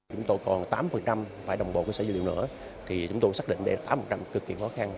chúng tôi còn tám phải đồng bộ cơ sở dữ liệu nữa thì chúng tôi xác định đây là tám cực kỳ khó khăn